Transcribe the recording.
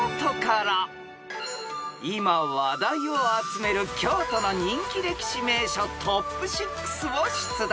［今話題を集める京都の人気歴史名所ＴＯＰ６を出題］